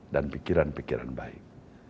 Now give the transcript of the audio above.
dan pikiran pikiran baik